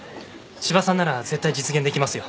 千葉さんなら絶対実現できますよ。